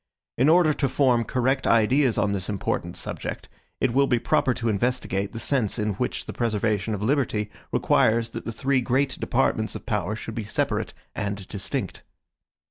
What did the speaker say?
In order to form correct ideas on this important subject, it will be proper to investigate the sense in which the preservation of liberty requires that the three great departments of power should be separate and distinct.